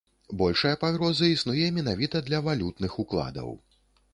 Большая пагроза існуе менавіта для валютных укладаў.